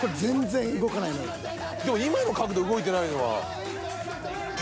［でも今の角度動いてないのは］